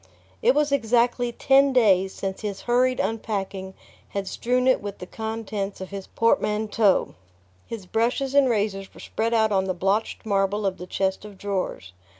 It was exactly ten days since his hurried unpacking had strewn it with the contents of his portmanteaux. His brushes and razors were spread out on the blotched marble of the chest of drawers.